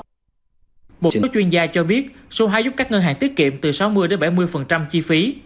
một số chuyên gia cho biết số hái giúp các ngân hàng tiết kiệm từ sáu mươi bảy mươi chi phí